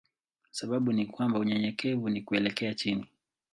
Sababu ni kwamba unyenyekevu ni kuelekea chini.